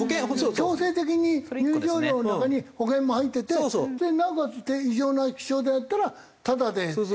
強制的に入場料の中に保険も入っててなおかつ異常な気象であったらタダでヘリコプター飛ぶとか。